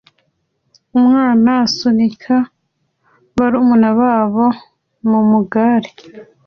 Umwana usunika barumuna babo mumugare